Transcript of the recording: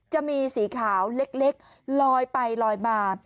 จะมีสีขาวเล็กลอยไปลอยมา